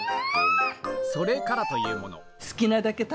それからというもの